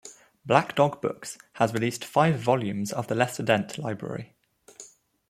Black Dog Books has released five volumes of The Lester Dent Library.